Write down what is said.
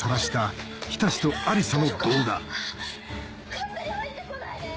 勝手に入ってこないでよ！